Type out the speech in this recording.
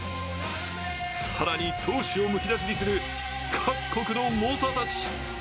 更に闘志をむき出しにする各国の猛者たち。